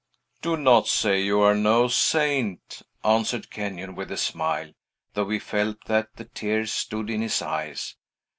"Do not say you are no saint!" answered Kenyon with a smile, though he felt that the tears stood in his eves.